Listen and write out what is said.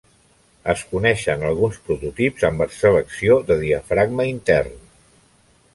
Es coneixen alguns prototips amb preselecció de diafragma intern.